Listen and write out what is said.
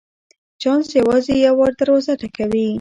چانس یوازي یو وار دروازه ټکوي .